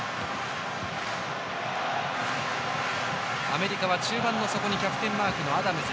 アメリカは中盤の底にキャプテンのアダムズ。